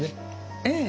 ええ。